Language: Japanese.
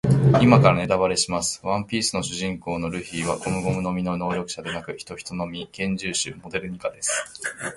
今からネタバレします。ワンピース主人公のルフィはゴムゴムの実の能力者ではなく、ヒトヒトの実幻獣種モデルニカです。